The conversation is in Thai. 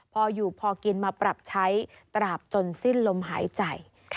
พออยู่พอกินมาปรับใช้ตราบจนสิ้นลมหายใจ